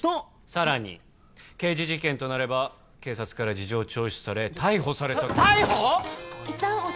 さらに刑事事件となれば警察から事情聴取され逮捕され逮捕！？